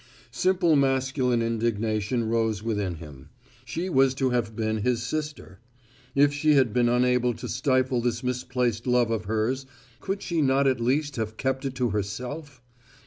Simple masculine indignation rose within him: she was to have been his sister. If she had been unable to stifle this misplaced love of hers, could she not at least have kept it to herself?